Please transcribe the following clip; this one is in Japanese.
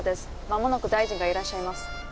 まもなく大臣がいらっしゃいます。